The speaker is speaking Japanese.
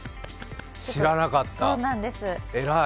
知らなかった、偉い！